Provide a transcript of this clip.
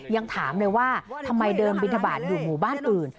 ยังถามเลยว่าทำไมเดินบินทบาทอยู่หมู่บ้านอื่น